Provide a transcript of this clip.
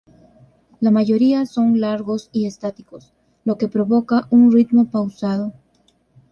La mayoría son largos y estáticos, lo que provoca un ritmo pausado.